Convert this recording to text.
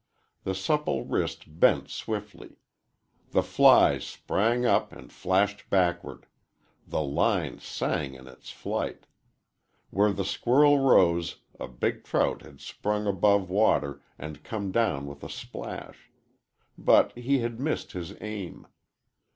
The supple wrist bent swiftly. The flies sprang up and flashed backward; the line sang in its flight. Where the squirrel rose a big trout had sprung above water and come down with a splash. But he had missed his aim.